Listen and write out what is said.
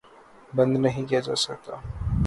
بند نہیں کیا جا سکتا